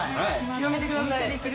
広めてください。